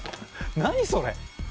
何それ？